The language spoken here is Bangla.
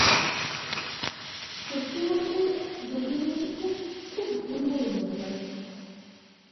সত্যি বলতে, দুটো জিনিসই খুব, খুব ভুল বলে মনে হয়।